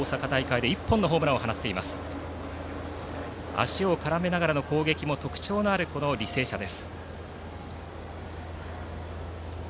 足を絡めながらの攻撃も特徴のある履正社です。